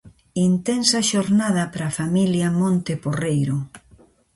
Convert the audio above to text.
Intensa xornada para a familia Monte Porreiro.